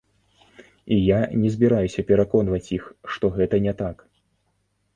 І я не збіраюся пераконваць іх, што гэта не так.